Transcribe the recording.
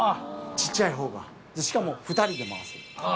ちっちゃい方がしかも２人で回せるあ